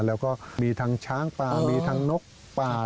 แล้วก็มีทั้งช้างป่ามีทั้งนกป่า